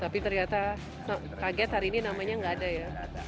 tapi ternyata kaget hari ini namanya nggak ada ya